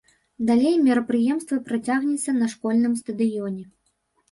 Далей мерапрыемства працягнецца на школьным стадыёне.